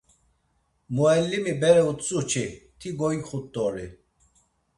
Muellimi bere utzu-çi, ti goyxut̆ori.